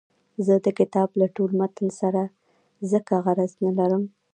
زه د کتاب له ټول متن سره ځکه غرض نه لرم.